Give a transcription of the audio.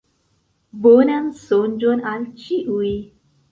Bonan sonĝon al ĉiuj!